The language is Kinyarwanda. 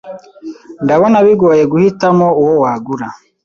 Ndabona bigoye guhitamo uwo wagura.